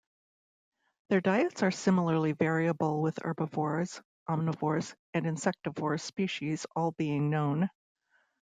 Their diets are similarly variable, with herbivorous, omnivorous, and insectivorous species all being known.